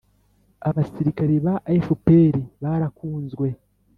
abasilikare ba fpr barakunzwe